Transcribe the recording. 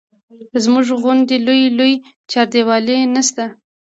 زموږ غوندې لویې لویې چاردیوالۍ نه شته.